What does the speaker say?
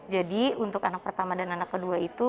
jadi untuk anak pertama dan anak kedua itu